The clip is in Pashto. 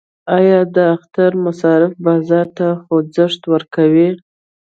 آیا د اختر مصارف بازار ته خوځښت ورکوي؟